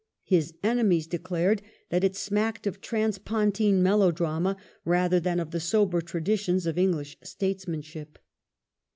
His enemies declared that it smacked of transpontine melodrama rather than of the sober traditions of English statesmanship.